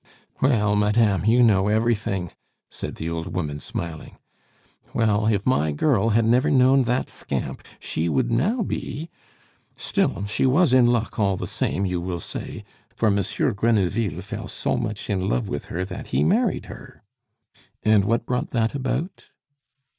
"Well, madame, you know everything," said the old woman, smiling. "Well, if my girl had never known that scamp, she would now be Still, she was in luck, all the same, you will say, for Monsieur Grenouville fell so much in love with her that he married her " "And what brought that about?"